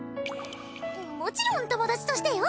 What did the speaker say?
もちろん友達としてよ